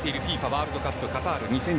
ワールドカップカタール２０２２